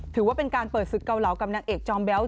ถือว่าเป็นการเปิดศึกเกาเหลากับนางเอกจอมแบ๊ว